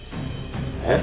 えっ？